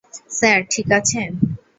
Sir, ঠিক আছেন?